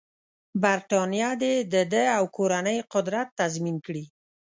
برټانیه دې د ده او کورنۍ قدرت تضمین کړي.